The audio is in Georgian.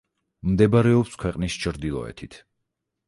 მდებარეობს ქვეყნის ჩრდილოეთით.